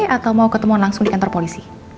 atau mau ketemuan langsung di kantor polisi